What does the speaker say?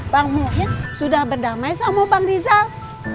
bang muhid sudah berdamai sama bang rizal